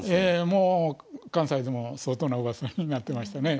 もう関西でも相当なうわさになってましたね。